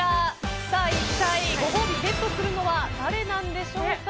一体ご褒美をゲットするのは誰なんでしょうか。